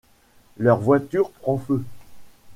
Leur voiture prend feu.